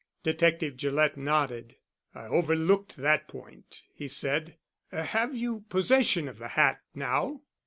Detective Gillett nodded. "I overlooked that point," he said. "Have you possession of the hat now?"